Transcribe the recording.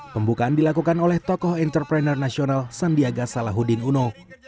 pembukaan dilakukan oleh tokoh entrepreneur nasional sandiaga salahuddin uno